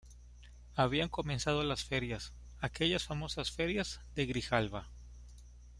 habían comenzado las ferias, aquellas famosas ferias de Grijalba